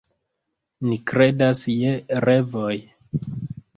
Ni kredas je revoj.